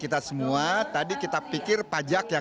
jangan diutamakan juga